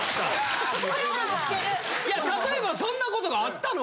例えばそんなことがあったの？